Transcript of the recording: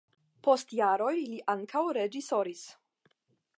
Post jaroj li ankaŭ reĝisoris.